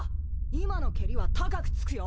今の蹴りは高くつくよ！